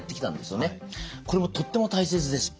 これもとっても大切です。